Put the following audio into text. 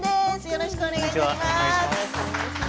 よろしくお願いします。